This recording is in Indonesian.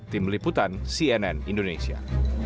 tim liputan cnn indonesia